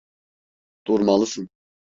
Durmalısın.